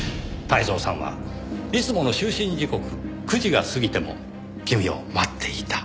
泰造さんはいつもの就寝時刻９時が過ぎても君を待っていた。